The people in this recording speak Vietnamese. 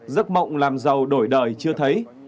giấc mộng làm giàu đổi đời chưa thấy